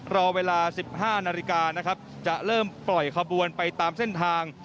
รอเวลา๑๕นาฬิกานะครับจะเริ่มปล่อยขบวนไปตามเส้นทาง